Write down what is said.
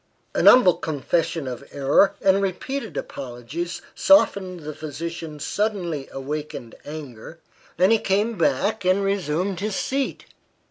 A humble confession of error, and repeated apologies, softened the physician's suddenly awakened anger, and he came back and resumed his seat.